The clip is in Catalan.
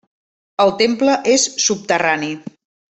El temple és subterrani.